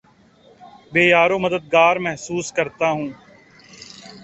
بے یارومددگار محسوس کرتا ہوں